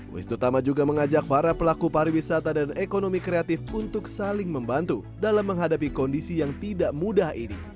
wisnu tama juga mengajak para pelaku pariwisata dan ekonomi kreatif untuk saling membantu dalam menghadapi kondisi yang tidak mudah ini